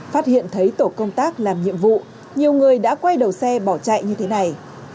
phát hiện thấy tổ công tác làm nhiệm vụ nhiều người đã quay đầu xe bỏ chạy như thế này